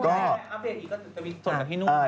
อัพเดทอีกก็จะมีส่วนกันที่นู่น